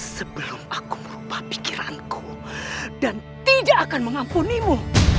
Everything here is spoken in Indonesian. sebelum aku merubah pikiranku dan tidak akan mengampunimu